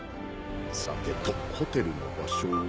さてとホテルの場所は。